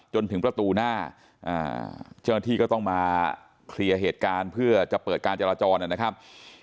จนถึงประตูหน้าเจ้าหน้าที่ก็ต้องมาเคลียร์เหตุการณ์เพื่อจะเปิดการจราจรนะครับ